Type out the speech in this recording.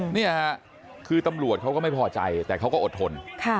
นี่ค่ะคือตำรวจเขาก็ไม่พอใจแต่เขาก็อดทน